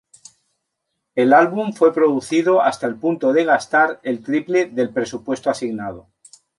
El álbum fue producido hasta el punto de gastar el triple del presupuesto asignado.